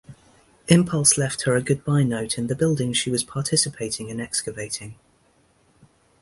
Impulse left her a goodbye note in the building she was participating in excavating.